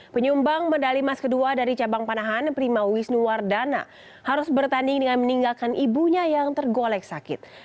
penyumbang medali emas kedua dari cabang panahan prima wisnuwardana harus bertanding dengan meninggalkan ibunya yang tergolek sakit